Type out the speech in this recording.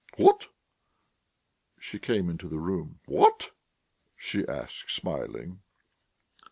"What?" She came into the room. "What?" she asked, smiling.